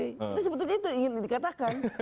itu sebetulnya itu yang ingin dikatakan